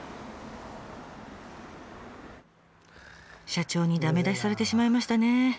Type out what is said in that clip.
社長に駄目出しされてしまいましたね。